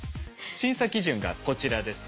審査基準がこちらです。